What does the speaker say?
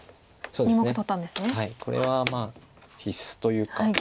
これは必須というか。